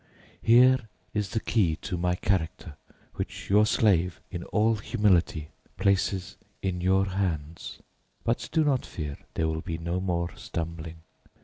Here is the key to my character, which your slave in all humility places in your hands. But do not fear, there will be no more stumbling.